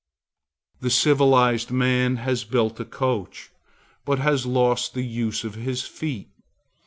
The civilized man has built a coach, but has lost the use of his feet.